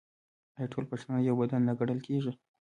آیا ټول پښتانه یو بدن نه ګڼل کیږي؟